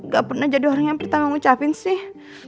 gak pernah jadi orang yang pertama ngucapin sih